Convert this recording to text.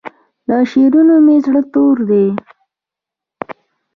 له شعرونو مې زړه تور دی